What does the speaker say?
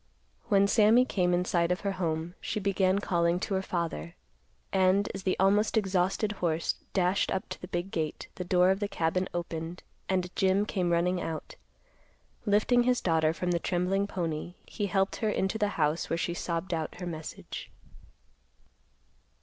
When Sammy came in sight of her home, she began calling to her father, and, as the almost exhausted horse dashed up to the big gate, the door of the cabin opened, and Jim came running out. Lifting his daughter from the trembling pony, he helped her into the house, where she sobbed out her message.